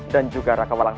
dan juga nyi mas rara santa